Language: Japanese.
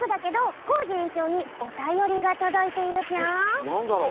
えっなんだろう？